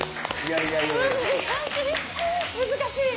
難しい。